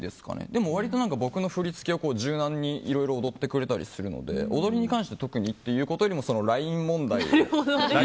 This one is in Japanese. でも割と僕の振り付けを柔軟にいろいろ踊ってくれたりするので踊りに関して特にというよりもライン問題。